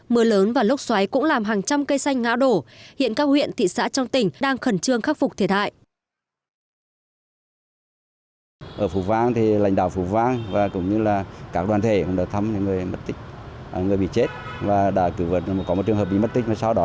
mưa lớn và lốc xoáy cũng làm hàng trăm cây xanh ngã đổ hiện các huyện thị xã trong tỉnh đang khẩn trương khắc phục thiệt hại